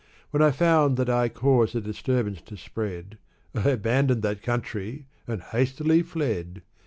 When I found that I caused a disturbance to spread, I abandoned that country and hastily fled.